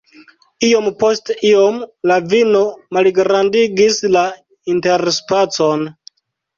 Iom post iom, la vino malgrandigis la interspacon.